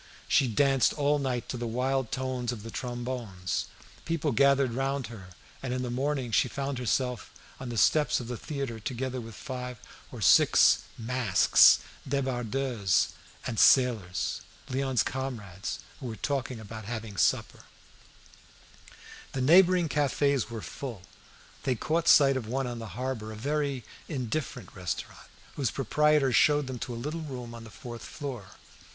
She danced all night to the wild tones of the trombones; people gathered round her, and in the morning she found herself on the steps of the theatre together with five or six masks, débardeuses and sailors, Léon's comrades, who were talking about having supper. People dressed as longshoremen. The neighbouring cafes were full. They caught sight of one on the harbour, a very indifferent restaurant, whose proprietor showed them to a little room on the fourth floor.